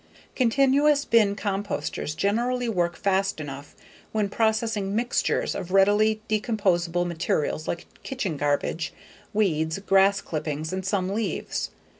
Continuous bin composters generally work fast enough when processing_ mixtures _of readily decomposable materials like kitchen garbage, weeds, grass clippings and some leaves.